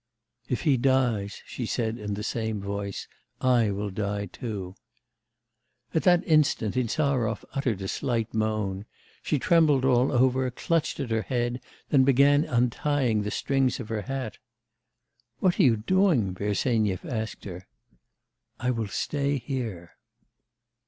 'If he dies,' she said in the same voice, 'I will die too.' At that instant Insarov uttered a slight moan; she trembled all over, clutched at her head, then began untying the strings of her hat. 'What are you doing?' Bersenyev asked her. 'I will stay here.